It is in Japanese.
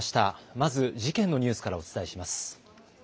まず事件のニュースからお伝えします。